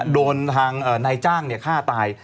โดนทางนายจ้างฆ่าตาย